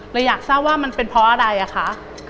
เราอยากทราบว่ามันเป็นเพราะอะไร